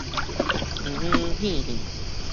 荒荒挕挕